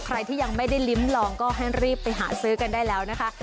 ใครที่ยังไม่ได้ลิ้มลองก็ให้รีบไปหาซื้อกันได้แล้วนะคะ